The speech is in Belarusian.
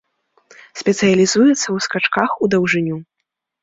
Спецыялізуецца ў скачках ў даўжыню.